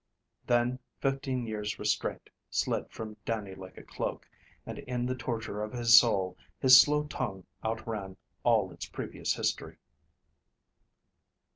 Then fifteen years' restraint slid from Dannie like a cloak, and in the torture of his soul his slow tongue outran all its previous history.